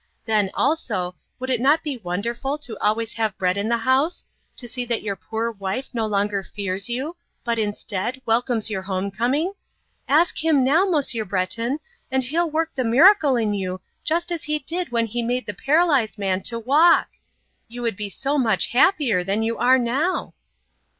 Then also, would it not be wonderful to always have bread in the house to see that your poor wife no longer fears you, but instead, welcomes your homecoming. Ask Him now, Monsieur Breton, and He'll work the miracle in you just as He did when He made the paralyzed man to walk. You would be so much happier than you are now."